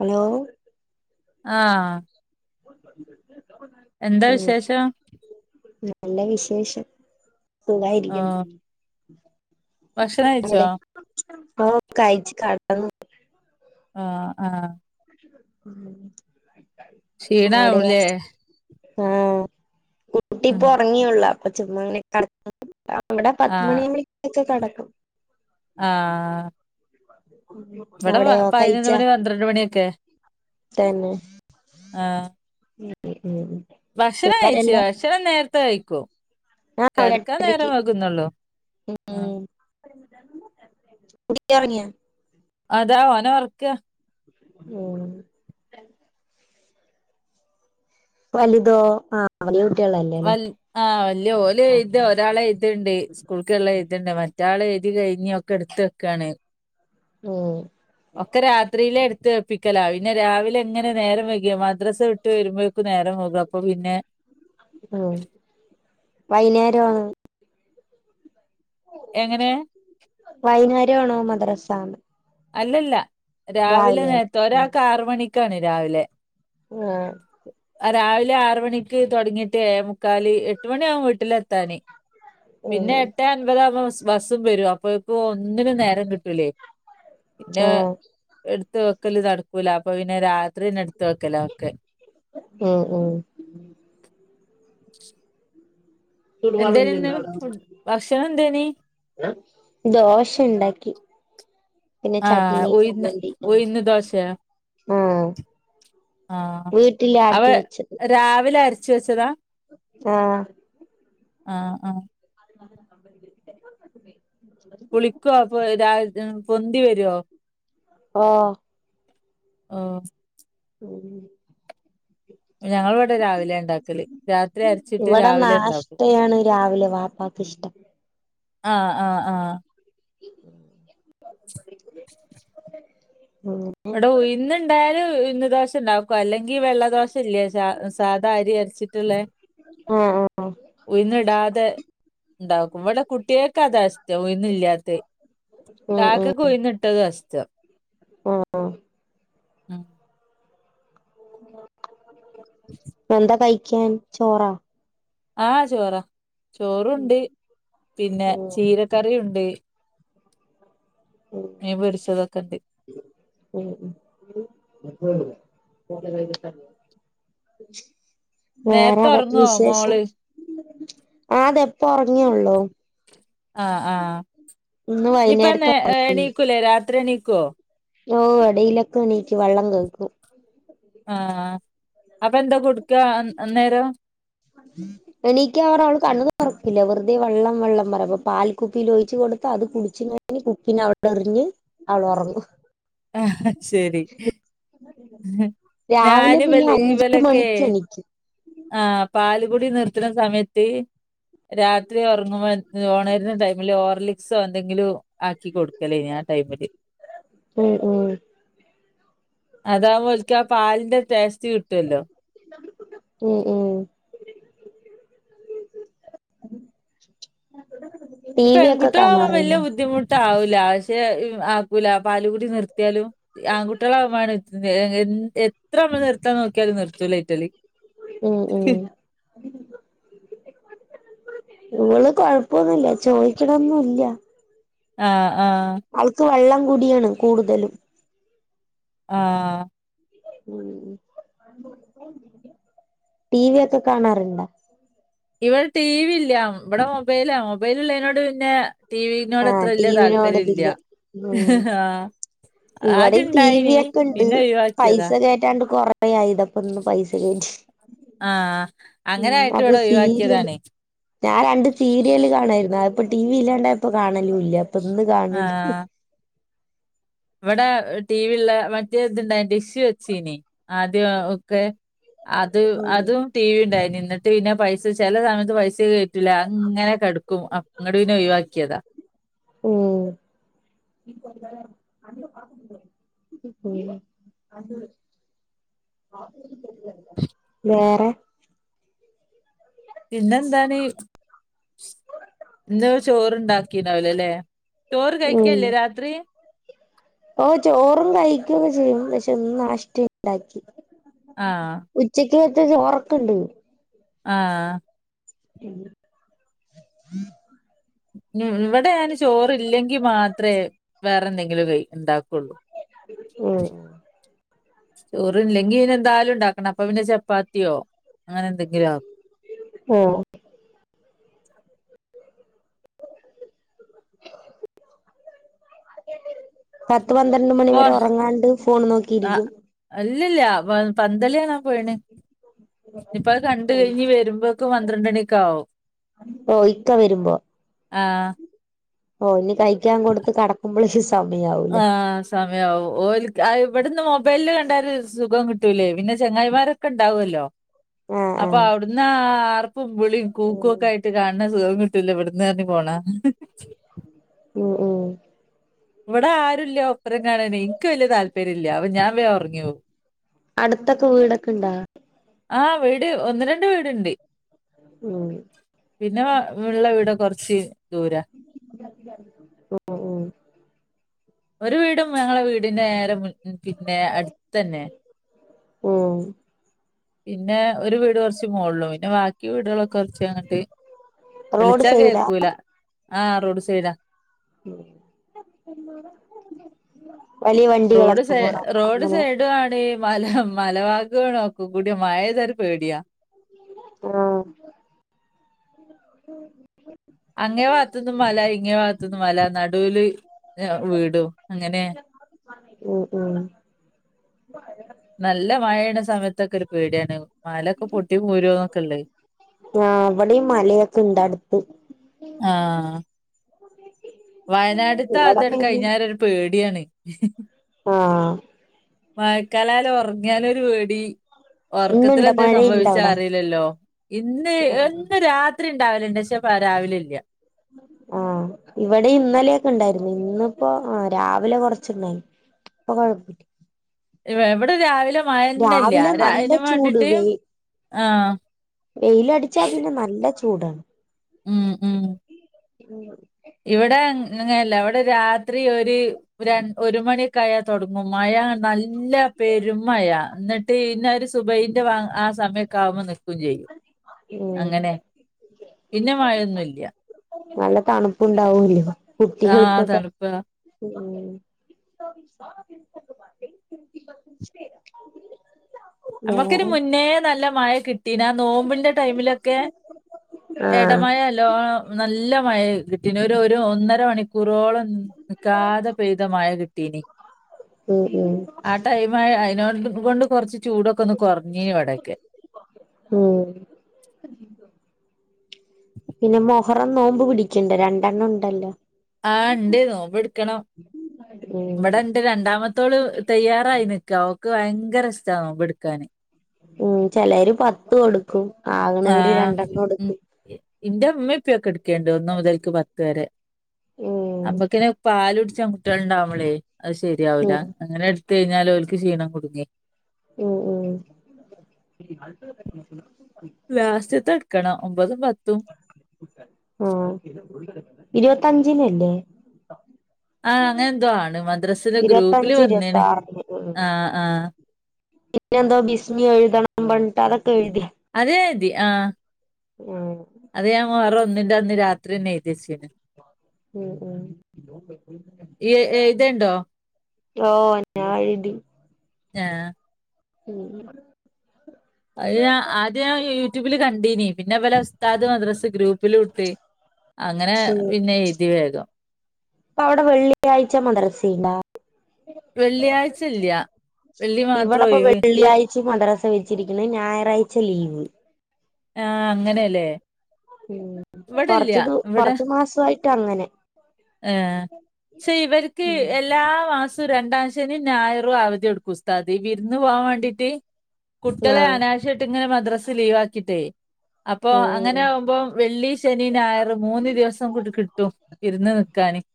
Hello ആ വിശേഷം നല്ല വിശേഷം സഖായിരിക്കിണ് ആഹ് ഭക്ഷണം കഴിച്ചോ അ ആ കഴച് കടന്ന് ആഹ ആഹ ഉം ക്ഷീണ ആാവൂല്ലേ ആഹ കൂട്ടിപ്പൊ ഉറങ്ങിയള്ള അപ്പൊ ചുമ്മാങ്ങനെട അവിടെ പത്തുമണിയുമ്പോേൊക്കെ കടക്കും ആഹ ഇവിടെ അവിടെയോ പതിനൊന്ന് മണി പന്ത്രണ്ട് മണിയൊക്കെ തെനെ ആഹ് ഭക്ഷണം കഴിച്ചു [unintelligible] ഭക്ഷണം നേരത്തെ കഴിക്കും ആഹ ഒരു കിടക്കാൻ ട്ടരക്ക് നേരം വൈകുന്നുള്ളൂ ഉ ആഹ് കുഞ്ഞു ഉറങ്ങിയോ അതാ ഓന ഉറക്ക ഉം വലിതോ ആ വ ആഹ വല്ിയ ഓലെ ഇത് ഒരാളെ എഴുതുണ്ട് സ്കൂൾക്കുള്ള എഴുത്ണ്ട് മറ്റളെ ഇതി കഴിഞ്ഞൊക്കെ എടുത്ത വെക്കയാണ് ം ഒക്കെ രാത്രിയില പ്പിക്കല പിന്നെ രാവിലെ എങ്ങനെ നേരം വെകിയ മദ്രസ്സ വിട്ട് വരുമ്പോഴേക്കും നേരം പോകുക വൈുന്നേരം എങ്ങനെ വൈനാരം ആണോ മദ്രാസ അല്ലല്ല രാവിലെ നേരത്തെ ഒരാൾക്ക് ആറ മണിക്കാണ് രാവിലെ ആഹ് രാവിലെ ആറ മണിക്ക് തുടങ്ങിട്ട്ഏയേ മുക്കാാലി എട്ട മണിയാവും വീട്ടിലേത്താന്. പിന്നെ ഉം എട്ടാം അൻപതകുമ്പോ സ്കൂ ബസ്സും വരും അപ്പോ ഒന്നിനു നേരം കിട്ടൂലേ. പിന്നെ ആഹ് എടുത്ത് വെക്കല് നടക്കൂല അപ്പൊ പിന്നെ രാത്- രാത്രി ഇനടുത്ത് വെക്കല ഒക്കെ. ഉം ഉം എന്തേനന്ന് ഫ ഭക്ഷണം എന്തേനി? ദോശ ണ്ടാക്കി. ആഹ ഉഴിന്ന് ഉയിന്ന് ദോശേ ആഹ് ആഹ് വീട്ടില് അവ ആട്ടി വെച്ചത് രാവിലെ അരച്ച വെച്ചതാ? ആഹ് ആഹ് ആഹ്. [unintelligible] പുളിക്കുവ അപ്പൊ രാ പൊന്തി വരുവോ? ഓ. ഓ [unintelligible] ഞങ്ങൾ ഇവിടെ രാവിലെ ണ്ടാക്കല് രാത്രി അരച്ചിട്ട് ഇവിടെ രാവിലെ ഉണ്ടാക്കൂ. നാഷ്ടയാണ് രാവിലെ വാപ്പാക്ക് ഇഷ്ടം ആഹ് ആഹ് ആ- [unintelligible] ഇവിട ഉഴുന്ന് ണ്ടായാല ഉഴുന്ന് ദോഷം ണ്ടാക്കും അല്ലെങ്കിൽ വെള്ള- ദോശ ഇല്ലേ സാധാ അരി അരച്ചിട്ടുള്ളേ. ആഹ് ആഹ് ഉയിന്ന് ടാതെ- ണ്ട വിടെ കുട്ട്യാൾക്ക് അതാ ഇഷ്ട്ടം ഉഴുനില്ലാത്തത്. കാക്ക കൊയിന്നിട്ടത് ഷ്ടം. ഓ ഹ് മ് എന്താ കഴിക്കാൻ ചോറാ? ആ ചോറാ ഉം ചോറുണ്ട് പിന്നെ ഉം ചീരക്കറിയുണ്ട്. മീ പൊരിച്ചതൊക്കെ ണ്ട്. മ് നേരത്തെ വേറെ ഒറങ്ങോ വിശേഷം മോള്? ആ അതെപ്പ ഉറങ്ങിയള്ളൂ. ആ ആ ഇന്ന് ഇനിപ്പ വൈകുന്നേരത്തെ എണീക്കൂലേ രാത്രി എണീക്കുവോ? ഓ എടയിലൊക്കെ നീക്കും വെള്ളം കേക്കും. ആ അപ്പൊ എന്താ കൊടുക്ക അന്നേരം? എനിക്ക് അവരു അവള് കണ്ണ തുറക്കില്ല വെറുതെ വെള്ളം വെള്ളം പറയാ അപ്പൊ പൽക്കുപ്പിൽോഴിച്ച്- ടു അത് കുടിച്ചച്ച് കഴിഞ്ഞ് കുക്കന് അവിടെ എറിഞ്ഞ് അവളോറങ്ങു - ആ ശരി. ഞാന രാവിലെ ഇവ പിന്നെ അഞ്ച് ഇവലൊക്കെ മണിക്ക് എണീക്കും ആ- പാലുകുടി നിർത്തണ സമയത്ത് രാത്രി ഉറങ്ങുമ്പോ- ഓണരിന്റെ ടൈമില് ഓർലിക്സോ എന്തെങ്കിലും- ആക്കി കൊടുക്കലേ ഇനി ആ ടൈമില്. ഉം ഉം അതാവുമ്പോ ഓൽക്കാ പാലിന്റെ ടേസ്റ്റ് - കിട്ടല്ലോ. ഉം ഉം ടി ഈ വി ഒക്കെ പെൺകുട്ടികള് ആവുമ്പൊ വല്ല്യ കാണാറുണ്ടോ ബുദ്ധിമുട്ടാ. പെ ആക്കൂല പാലുകൂടി നിർത്തിയാലും ആൺകുട്ടികളാവ എ- എത്ര നമ്മൾ നിർത്താൻ നോക്കിയാല നിർത്തൂല യ്റ്റാൾ. മ് മ്. ഇവള് കൊഴപ്പൊന്നുമില്ല ചോയ്ക്ക് നോന്നുള്ള. ആ ആൾക്ക് വെള്ളം കൂടിയാണ് കൂടുതലും. ആ..... ടി വി ഒക്കെ കാണാറുണ്ടാ ഇവിടെ ടിവി ഇല്ല ഇവിടെ മൊബൈല മൊബൈൽള്ളതിനോട് പിന്നെ ടിവിനോട് ആ അത്ര വല്യ ടിവിനോട് താല്പര്യം ഇല്ല. ഇതില് ഉ ആഹ്. ആദ്യം ഇവിടെയും ഇണ്ടായിനി. റ്റിവി ഒക്കെ ഉണ്ട് പിന്നെ ഒഴിവാക്കിയതാ. പൈസ കേയറ്റാണ്ട് കൊറ അ ആ ഇതപ്പൊ ഒന്ന് പൈസ കേറ്റീ ആഹ്. ഉ അങ്ങനായിട്ട് അപ്പൊ ഇവിടെ സീരിയല് ഒഴിവാക്കിയതാണ്. ഞാൻ രണ്ട് സീരിയല് കാണായിരുന്നു എന്ന ഇപ്പ ടി വി ഇല്ലാണ്ട ഇപ്പൊ കാണല ഇല്ല അപ്പൊ ഇന്ന് കാണ ആഹ്. ഇവിടെ ടി വി ഉള്ള മറ്റേ ഇതുണ്ട അന്റെ ഇഷ്യു വെച്ചീനി ആദ്യം ഒക്കെ അത് ഉം അതും ടി വി ഉണ്ടായി എന്നിട്ട് പിന്നെ പൈസ ചില സമയത്ത് പൈസ കറ്റൂല്ല അങ്ങനെ കിടക്കും അങ്ങോട് പിനെ ഒഴിവാക്കിയതാ ഉം അ വേറെ പിന്നെെന്താണ് എന്ത ചോറ്ണ്ടാക്കീനാവല അല്ലെ ചോർ ഉം കൈക്കല്ലി രാത്രി ഓ ചോറും കഴിക്കുവൊക്കെ ചെയ്യും പക്ഷെ ഒന്ന് നാഷ്ട ഉണ്ടാക്കി ആ ത്തെ ചോറൊക്കെ ഉണ്ട് ആ ഉം ഇവിടെ ഞാന് ചോറല്ലെങ്കിൽ മാത്രമേ വേറെ എന്തെങ്കിലും കൈ ഉണ്ടാക്കും കൊണ്ടു ഉം ചോറല്ലെങ്കി ഇന്ന എന്തായാലും ഉണ്ടാക്കണം അപ്പൊ പിന്നെ ചപ്പാത്തിയോ അങ്ങനെ എന്തെങ്കിലും ആ ഉം പ പത്ത് പന്ത്രണ്ട് മണി ഇപ്പൊ വരെ ഉറങ്ങാണ്ട് ഫോൺ നോക്കിയിരിക്കും ഇല്ലല്ല പ പന്തളിയാണാ പോയിണ് ഇപ്പ അത് കണ്ട് കഴിഞ്ഞ് വരുമ്പോക്കും പന്ത്രണ്ടണിക്കാവും ഒയ്ക്ക വരുമ്പോ ആ ഓന് ആ സമയാവും ഓൽക്ക് അത് ഇവട്ന്ന് മൊബൈലിൽ ടര് സുഖം കിട്ടൂലേ പിന്നെ ചങ്ങായിമാരൊക്കെ ഉണ്ടാവല്ലോ ആഹ് അപ്പൊ ആഹ് അവിടന്ന് ആർപ്പും വിളിം കൂകൊക്കായിട്ട് കാണണ സുഖം കിട്ടൂല ഇവട്ന്ന് അർഞ്ഞ പോണ ഉം ഉം ഇവിടെ ആരുല്ല ഒപ്പരം കാണനയ് എനിക്ക് വലിയ താല്പര്യം ഇല്ല അവ ഞാൻ വേ ഉറങ്ങി പോവും അടുത്തൊക്കെ വീടൊക്കെ ഇണ്ടാ ആ വീട് ഒന്ന് രണ്ട് വീട് ണ്ട് ഉം പിന്നെ വള്ള വീടെ കൊറച്ച് ദൂരാ ഒ ഓ ഒരു വീടും ഞങ്ങളെ വീടിന്റെ നേര മുൻ പിന്നെ അടുത്തന്നെ ഉം പിന്നെ ഒരു വീട് കുറച്ച് മോള്ളു പിന്നെ ബാക്കി വീടുകളൊക്കെ കുറച്ച് അങ്ങട്ട് റോഡ് വിളിച്ചാ സൈഡാ കേക്കൂല ആ റോഡ് സൈഡാ ഉം റോഡ് സൈ റോഡ് സൈഡ്യാണ് മല മലവാ ണോക്ക കൂടിം മഴയ്താ ഒര് പേടിയാ ഉം അങ്ങേ ഭാത്ത്ന്നും മല ഇങ്ങെ ഭാത്ത്ന്നും മല നടൂൽ വീടും അങ്ങനെ ഓ ഓ നല്ല മഴയണ സമയത്തൊക്കെ ഒരു പേടിയാണ് മലൊക്കെ പൊട്ടി പോരോന്നൊക്കെല്ലേ ആ അവിടെയും മലയൊക്കെ ഇണ്ട് അടുത്ത് ഉ വയനാട്ത്ത അതടു പിന്നെ കഴിഞ്ഞാര ഒരു പേടിയാണ് ആ മയക്കാലാല് ഉറങ്ങ്യാലൊരു പേടി ഉർക്കത്തില് ഇന്നുണ്ടോ എന്തേം മഴയുണ്ടോ സംഭവിച്ച അവിടെ അറീല്ലല്ലോ ഇന്ന് ഒന്ന് രാത് ത്രി ഉണ്ടാവില്ലണ്ട് പക്ഷെ പ രാവിലല്ല ആ ഇവിടെ ഇന്നലെയൊക്കെ ഉണ്ടായിരുന്നു ഇന്നിപ്പോ ആ രാവിലെ കൊറച്ചുണ്ടായിരുന്നു പ്പൊ കൊഴ് എവ വിടെ രാവിലെ മഴന്നല്ല അര നല്ല അയിന് വാണ്ടിട്ട് ആ വെയിലടിച്ചാൽ പിന്നെ നല്ല ചൂടാ ഉം ഉം ഉം [unintelligible] ഇവിടെ അങ്ങ് ങ്ങല്ല ഇവിടെ രാത്രി ഒരു ഒരൺ ഒര് മണിയക്കായാ തൊട്ങ്ങും മഴ യാ നല്ല പെരുമഴാ ഇന്നട്ട് ഇന്ന ഒരു സുബൈയിന്റെ ബാ ആ സമയൊക്കെ ആവുമ്പോ നി ക്കുംചെയ്യും ഉം അങ്ങനെ പിന്നെമഴൊന്നുല്ല നല്ല തണുപ്പുണ്ടാവൂല്ല ആ തണുപ്പ അ ഉം ിത്തഞ്ച് പ [unintelligible] നമുക്കൊരു മുന്നേ നല്ല മഴ പിന്നെ ആ നോമ്പിന്റെ ടൈമിലൊക്കെ ആഹ് എടമഴല്ലോം നല്ല മഴ കിട്ടി ഒന്നര മണിക്കൂർ റോളം നിക്കാത പേതമായ കിട്ടീനി ഉം ഉം ആ ടൈം ആ അതിനോട് കൊണ്ട് കുറച്ച് ചൂടൊക്കെ ഒന്ന് കുറഞ്ഞ ഇവിടക്ക് ഉം പിന്നെ മൊഹറം നോമ്പ് പിടിക്കണ്ട് രണ്ടെണ്ണം ഉണ്ടല്ലോ ആ ഉണ്ട് നോമ്പ് പിടുക്കണം ഉം ഇവിടെണ്ട് രണ്ടാമത്തോള് തയ്യാറായി നിക്ക അവക്ക് ഭയങ്കര ഇഷ്ട്ട നോമ്പ് എടുക്കാന് [unintelligible] ഉം ചിലര് പത്തും എടുക്കും ആകണവര് ആഹ് രണ്ടെണ്ണം എടുക്കും ണ്ട് ഒന്ന മുത [inaudible] ഉം അമ്മക്കനെ പാല പിടിച്ച കുുട്ടികള ഉണ്ടാവമ്മളെ അത് ശരിയാവല ഉം അങ്ങനെ എടുത്ത കഴിഞ്ഞാല് അവലക്ക് ക്ഷീണം കുടുങ്ങി ഓ ഓ ലാസ്റ്റ് ത്തെ ടുക്കണ ഒമ്പതും പത്തും ആഹ് ഇരുപത്തഞ്ചിനല്ലേ ആ അങ്ങനെ എന്തോ ആണ് മദ്രാസിന്റെ ഗ്രൂപ്പില് ഇരുപത്തഞ്ച് വന്നേന ഇരുപത്തി ആ ആ ഇന്നെന്തോ ബസ്മി എഴുതണം ബട്ട അതക്ക എഴുതി അതെ ഇതി ആ ആ ആ വറെ ഒന്നിന്റെ അന്ന് രാത്രിന്നെ ഴതദേച്ചീന് ഉം ഉം ഇയ്യ് എഴുതേണ്ടോ ഓ ഞാരിതി ആ ഉം അത് ഞാൻ ആദ്യ ഞാൻ യൂട്യൂബില് കണ്ടീനിം പിന്നെബലെ കത്താത് മദ്രസ് ഗ്രൂപ്പിൽ കട്ടി അങ്ങനെ പിന്നെ എഴുതിവേഗം അപ്പ അവിടെ വെള്ളിയാഴ്ച മദ്രസുണ്ടാ വെള്ളിയാഴ്ചല്ല വെള്ളി മാത്രം ഒഴിവ് വ കൊച്ചി മദ്രാസ വെച്ചിരിക്കുന്ന ഞായറാഴ്ച ലീവ് ആ അങ്ങനെയല്ലേ കൊറച്ച ദ കൊറച്ചു മാസയിട്ട് അങ്ങനെ ആ ഏ പക്ഷെ ഇവർക്ക് എല്ലാ മാസ രണ്ടാഴ്ചേന് ഞായർറൂപ അവധി എടുക്കും ഉസ്താത് അതി വിരുന്ന് പോവാാൻ വേണ്ടീട്ട് കുട്ടികളെ ആഹ് അനാവശ്യം ആയിട്ടു ഇങ്ങനെ മദ്രസിൽ ലീവ് ആക്കിട്ടേ അപ്പൊ അങ്ങനെ ഉം ആകുമ്പോം വെള്ളി ശനി ഞായർ മൂന്ന് ദിവസം കൂടി കിട്ടും ഇരന്ന് കാണിക്ക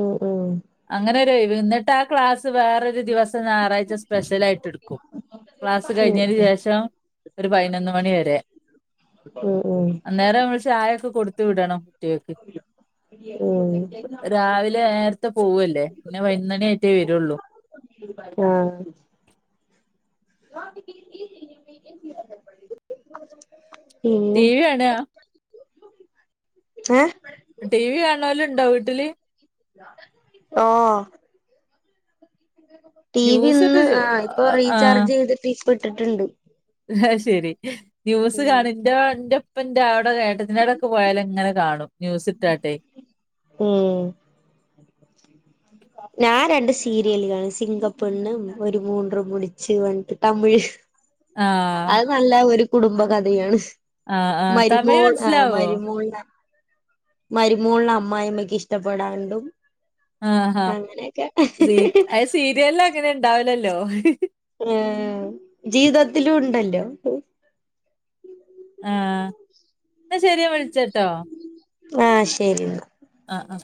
ഉം ഉം അങ്ങനെ എന്നിട്ട് ആ ക്ലാസ് വേറൊരു ദിവസം ഞായറാഴ്ച സ്പെഷ്യൽ ആയിട്ട് എടുക്കും ക്ലാസ് ഉം കഴിഞ്ഞതിന് ശേഷം ഒരു പതിനൊന്ന് മണി വരെ ഉം ഉം അനേരം ചായൊക്കെ കൊടുത്ത വിടണം കുട്ടികൾക്ക് ഉം രാവിലെ നേരത്തെ പോവല്ലേ പിന്നെ വൈകുന്നേണേ ആയിട്ടേ വരുള്ളൂ ആ ഹ ടീ വി കാണ ഏ ടി വി കാണാലും ഇണ്ടോ വീട്ടില് ഹ ടി വി ന്യൂസ് ഇട്ട് ഇന്ന് ചെ- ആ ഇപ്പൊ റീചാർജ് ചെയ്തിട്ട് ഇപോ ഇട്ടിട്ടുണ്ട് അ ശെരി ന്യൂസ് കാണന്റെന്റെ അപ്പന്റെ അവിടെ ഏട്ടത്തിൻന്റെടയൊെ പോയാല ഇങ്ങനെ കാണും ന്യൂസ് ഇട്ടാട്ടെ ഉം ഞാൻ രണ്ട് സീരിയല് കാണ സിംഗപ്പുണ്ു ഒരു മൂന്ന മുടിച്ചവണ്ടി് തമിഴ് ഉ അത് നല്ല ഒരു കുടുംബ കഥയാണ് ആ ആ തമിഴ് മരുമോൾ ആ മനസ്സിലാവോ മരുമോൾ മരുമൂളില അമ്മായിമ്മക്ക് ഇഷ്ടപ്പെടാണ്ടും ആഹഹ അങ്ങനെയൊക്കെ സ അത് സീരിയല് അങ്ങനെ ഉണ്ടാവലല്ലോ ജീവിതത്തിലും ഉണ്ടല്ലോ ആഹ എന്ന ശെരിയാ വിളിച്ചട്ടോ ആഹ ശരിെന്നാ ആഹ ആഹ